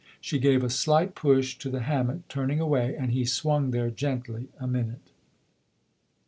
She gave a slight push to the hammock, turning away, ajnd he swung there gently a minute.